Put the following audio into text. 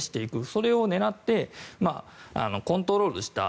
それを狙ってコントロールした。